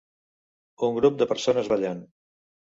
Un grup de persones ballant.